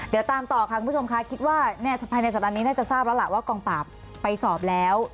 เดี๋ยวตามต่อค่ะคุณผู้ชมค่ะคิดว่าภายในสัปดาห์นี้น่าจะทราบแล้วล่ะว่ากองปราบไปสอบแล้ว